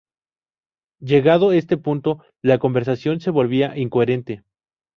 Llegado este punto, la conversación se volvía incoherente.